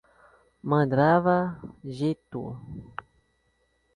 mandriva, gentoo